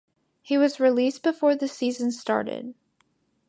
He was released before the season started.